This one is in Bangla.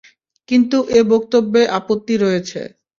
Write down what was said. কিন্তু এ বক্তব্যে আপত্তি রয়েছে।